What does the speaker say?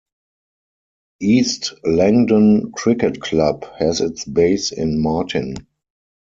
East Langdon Cricket Club has its base in Martin.